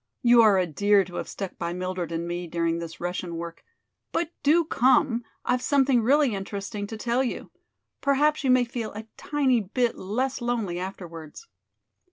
You are a dear to have stuck by Mildred and me during this Russian work. But do come, I've something really interesting to tell you. Perhaps you may feel a tiny bit less lonely afterwards."